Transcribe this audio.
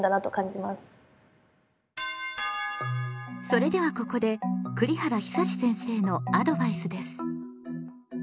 それではここで栗原久先生のアドバイスです。